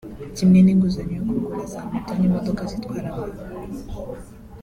kimwe n’inguzanyo yo kugura za moto n’imodoka zitwara abantu